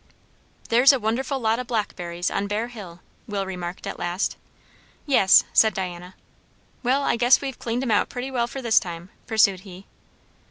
"There's a wonderful lot o' blackberries on Bear Hill," Will remarked at last. "Yes," said Diana. "Well, I guess we've cleaned 'em out pretty well for this time," pursued he.